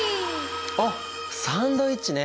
あっサンドイッチね！